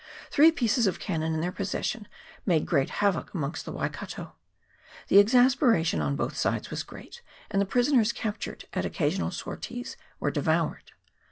Three pieces of cannon in their possession made great havoc amongst the Waikato. The exasperation on both sides was great, and the prisoners captured at occasional sorties were de voured.